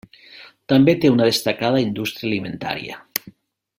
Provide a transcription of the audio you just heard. També té una destacada indústria alimentària.